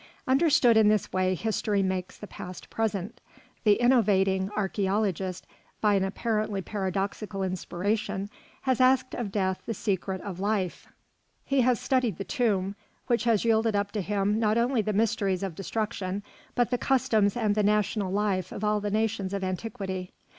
Understood in this way, history makes the past present. The innovating archæologist, by an apparently paradoxical inspiration, has asked of death the secret of life; he has studied the tomb, which has yielded up to him not only the mysteries of destruction, but the customs and the national life of all the nations of antiquity.